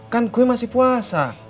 kan gue masih puasa